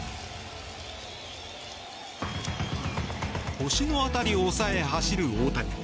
腰の辺りを押さえ、走る大谷。